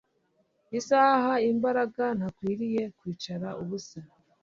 isaba imbaraga Ntakwiriye kwicara ubusa